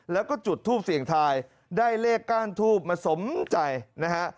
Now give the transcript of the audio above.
แล้วก็จุดทูปเสี่ยงทายได้เลขก้านทูบมาสมใจนะฮะ